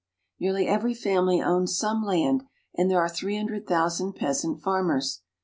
Nearly every family owns some land, and there are three hundred thousand feasant farmers.